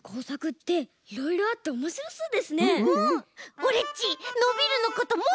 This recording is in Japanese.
オレっちのびるのこともっとしりたい！